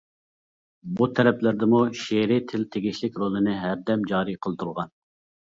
بۇ تەرەپلەردىمۇ شېئىرىي تىل تېگىشلىك رولىنى ھەردەم جارى قىلدۇرغان.